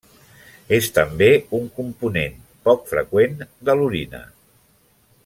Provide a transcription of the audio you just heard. És també un component poc freqüent de l'orina.